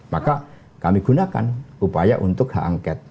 maka kami gunakan upaya untuk hak angket